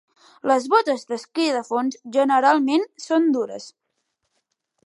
Les botes d'esquí de fons generalment són dures.